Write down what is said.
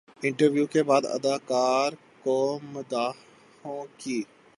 interview کے بعد اداکار کو مداحوں کی